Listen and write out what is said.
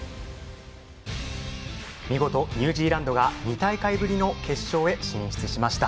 見事ニュージーランドが２大会ぶりの決勝へ進出しました。